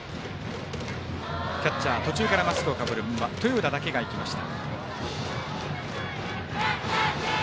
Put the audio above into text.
キャッチャー途中からマスクをかぶる豊田だけがいきました。